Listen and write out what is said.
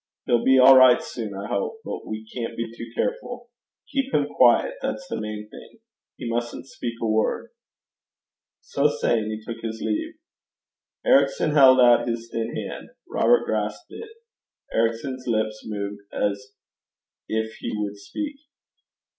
He'll be all right soon, I hope; but we can't be too careful. Keep him quiet that's the main thing. He mustn't speak a word.' So saying he took his leave. Ericson held out his thin hand. Robert grasped it. Ericson's lips moved as if he would speak.